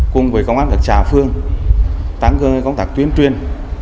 cùng với công an các trả phương tăng cơ công tác tuyên truyền